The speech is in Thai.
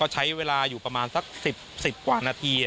ใช้เวลาอยู่ประมาณสัก๑๐กว่านาที